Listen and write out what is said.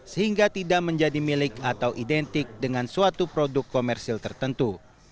sehingga tidak menjadi milik atau identik dengan suatu produk komersil tertentu